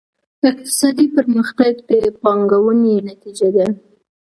اقتصادي پرمختګ د پانګونې نتیجه ده.